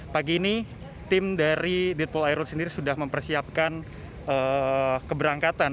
pagi ini tim dari ditpol airut sendiri sudah mempersiapkan keberangkatan